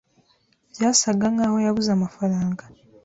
Byasaga nkaho yabuze amafaranga.